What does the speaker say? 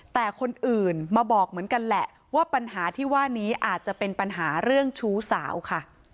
แต่คนอื่นมาบอกเหมือนกันแหละว่าปัญหาที่ว่านี้อาจจะเป็นปัญหาเรื่องชู้สาวค่ะ